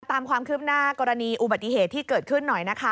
ตามความคืบหน้ากรณีอุบัติเหตุที่เกิดขึ้นหน่อยนะคะ